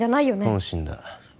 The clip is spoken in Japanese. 本心だ